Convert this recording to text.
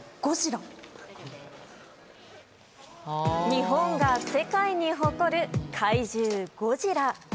日本が世界に誇る怪獣ゴジラ。